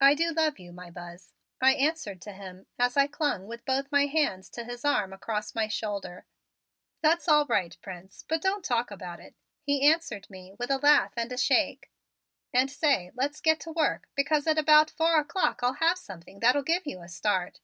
"I do love you, my Buzz," I answered to him as I clung with both my hands to his arm across my shoulder. "That's all right. Prince, but don't talk about it," he answered me with a laugh and a shake. "And, say, let's get to work, because at about four o'clock I'll have something that'll give you a start."